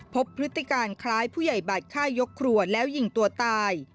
พฤติการคล้ายผู้ใหญ่บัตรฆ่ายกครัวแล้วยิงตัวตาย